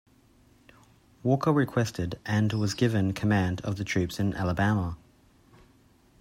Walker requested, and was given, command of the troops in Alabama.